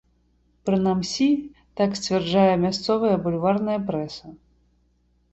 Прынамсі, так сцвярджае мясцовая бульварная прэса.